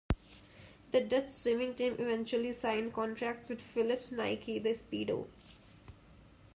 The Dutch swimming team eventually signed contracts with Philips, Nike, and Speedo.